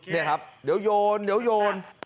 นี่ครับเดี๋ยวโยน